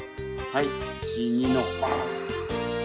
はい。